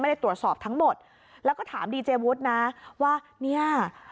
ได้ตรวจสอบทั้งหมดแล้วก็ถามดีเจวุฒินะว่าเนี่ย